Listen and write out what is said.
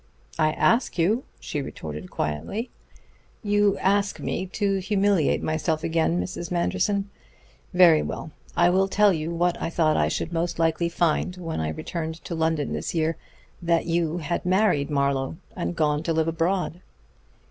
"I ask you," she retorted quietly. "You ask me to humiliate myself again, Mrs. Manderson. Very well. I will tell you what I thought I should most likely find when I returned to London this year: that you had married Marlowe and gone to live abroad."